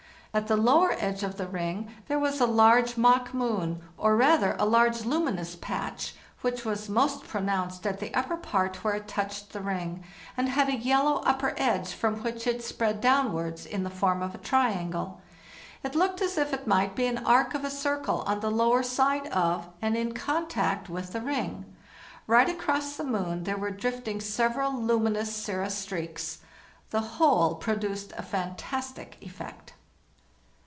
At the lower edge of the ring there was a large mock moon, or, rath er, a large luminous patch, which was most pronounced at the upper part, where it touched the ring, and had a yellow upper edge, from which it spread downward in the form of atriangle. it looked as if it might be an arc of a circle on the lower side of, and in contact with, the ring. Right across the moon there were drifting several luminous cirrhus streaks. The whole produced a fan tastic effect.